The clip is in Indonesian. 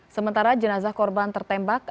sementara jenazah korban tertembak